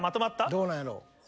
どうなんやろう？